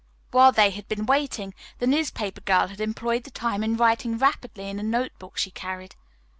While they had been waiting the newspaper girl had employed the time in writing rapidly in a note book she carried.